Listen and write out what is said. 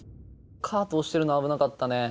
カートを押してくるの危なかったね。